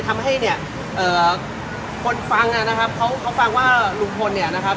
ทำให้เนี่ยเอ่อคนฟังนะครับเขาฟังว่าลุงพลเนี่ยนะครับ